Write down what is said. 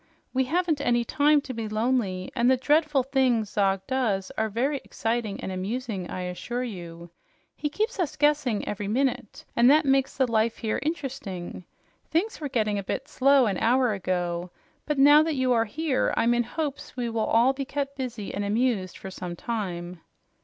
"We haven't any time to be lonely, and the dreadful things Zog does are very exciting and amusing, I assure you. He keeps us guessing every minute, and that makes the life here interesting. Things were getting a bit slow an hour ago, but now that you are here, I'm in hopes we will all be kept busy and amused for some time."